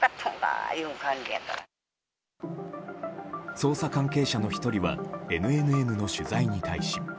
捜査関係者の１人はＮＮＮの取材に対し。